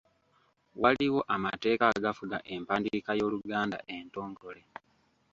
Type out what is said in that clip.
Waliwo amateeka agafuga empandiika y’Oluganda entongole.